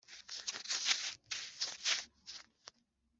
Birasaba ubufatanye bw’inzego zinyuranye